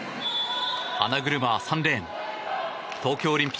花車は３レーン。